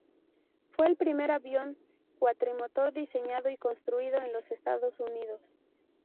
Fue el primer avión cuatrimotor diseñado y construido en los Estados Unidos.